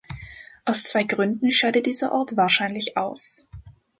Aus zwei Gründen scheidet dieser Ort wahrscheinlich aus.